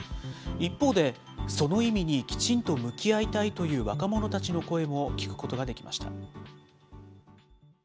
一方で、その意味にきちんと向き合いたいという若者たちの声も聞くことができました。